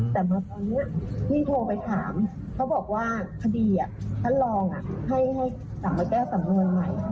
แต่มาตอนนี้พี่โทรไปถามเขาบอกว่าคดีอ่ะการลองอ่ะให้ให้สามารถแก้สำนวณใหม่